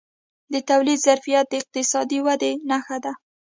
د تولید ظرفیت د اقتصادي ودې نښه ده.